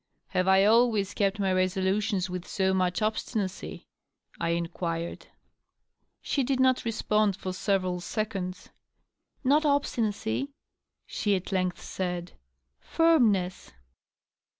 " Have I always kept my resolutions with so much obstinacy ?" I inquired. She did not respond for several seconds. " Not obstinacy," she at length said ;" firmness."